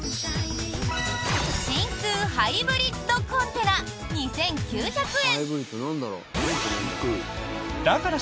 真空ハイブリッドコンテナ２９００円。